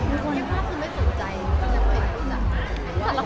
มีคนที่บ้างคือไม่สนใจมีคนที่ไม่สนใจ